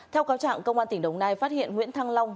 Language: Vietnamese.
theo cáo trạng công an tỉnh đồng nai phát hiện nguyễn thăng long